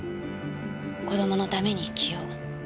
子供のために生きよう。